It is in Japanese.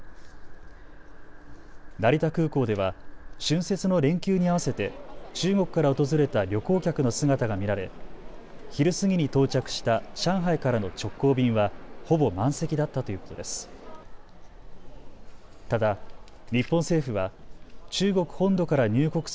成田空港では春節の連休に合わせて中国から訪れた旅行客の姿が見られ、昼過ぎに到着した上海からの直行便はほぼ満席だったということです。